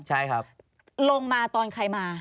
ใช่ครับลงมาตอนใครมา